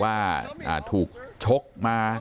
ว่าถูกชกมา